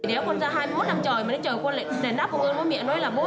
nếu con ra hai mươi một năm trời mà đến trời con lại đánh đáp con với mẹ nói là